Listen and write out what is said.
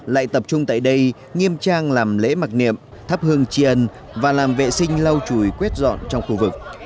lại tập trung tại đây nghiêm trang làm lễ mặc niệm thắp hương triền và làm vệ sinh lau chùi quét dọn trong khu vực